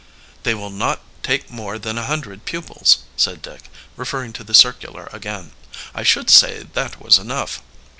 "They will not take more than a hundred pupils," said Dick, referring to the circular again. "I should say that was enough.